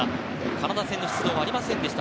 カナダ戦の出場はありませんでした、